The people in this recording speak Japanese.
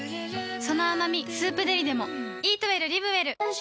その甘み「スープデリ」でも